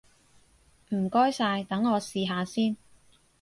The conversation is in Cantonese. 唔該晒，等我試下先！